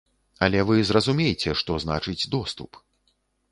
Але вы зразумейце, што значыць доступ.